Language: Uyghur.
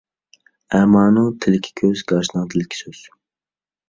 ئەمانىڭ تىلىكى كۆز، گاچىنىڭ تىلىكى سۆز.